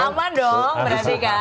aman dong berarti kan